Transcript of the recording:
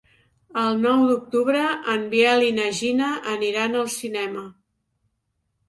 El nou d'octubre en Biel i na Gina aniran al cinema.